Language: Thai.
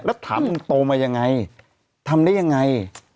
แล้วถามมึงโตมายังไงทำได้ยังไง